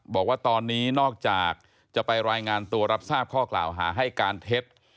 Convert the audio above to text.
บอกว่าตอนนี้นอกจากจะไปรายงานตัวรับทราบข้อกล่าวหาให้การเท็จ